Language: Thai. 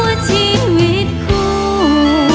ว่าชีวิตคู่